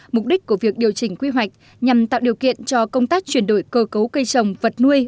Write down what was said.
mục đích của việc điều chỉnh quy hoạch nhằm tạo điều kiện cho công tác chuyển đổi cơ cấu cây trồng vật nuôi